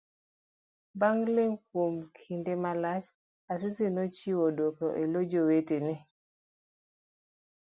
Bang' ling kuom kinde malach. Asisi nochiwo dwoko elo jowetene.